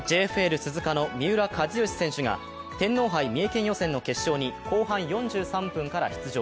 鈴鹿の三浦知良選手が、天皇杯三重県予選の決勝に後半４３分から出場。